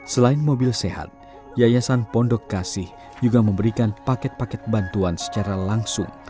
selain mobil sehat yayasan pondok kasih juga memberikan paket paket bantuan secara langsung